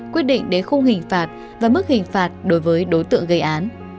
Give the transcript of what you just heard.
quyết định đến khung hình phạt và mức hình phạt đối với đối tượng gây án